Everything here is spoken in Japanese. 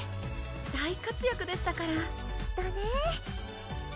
大活躍でしたからだね